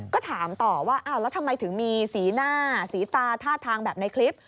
ก็ถามต่อว่าอ้าวแล้วทำไมถึงมีสีหน้าสีตาท่าทางแบบในคลิป